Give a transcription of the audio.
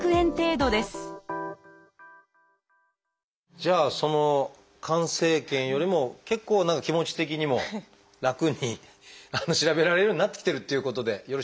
じゃあその肝生検よりも結構何か気持ち的にも楽に調べられるようになってきているっていうことでよろしいですか？